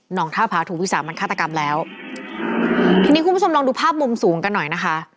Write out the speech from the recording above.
องท่าผาถูกวิสามันฆาตกรรมแล้วทีนี้คุณผู้ชมลองดูภาพมุมสูงกันหน่อยนะคะ